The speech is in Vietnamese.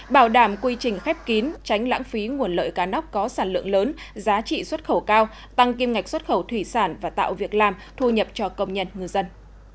bảo đảm quy trình khép kín tránh lãng phí nguồn lợi cá nóc có sản lượng lớn giá trị xuất khẩu cao tăng kim ngạch xuất khẩu thủy sản và tạo việc làm thu nhập cho công nhân ngư dân